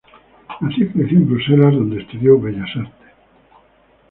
Nació y creció en Bruselas, donde estudió Bellas Artes.